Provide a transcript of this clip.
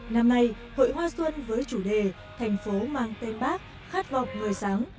năm nay hội hoa xuân với chủ đề thành phố mang tên bác khát vọng người sáng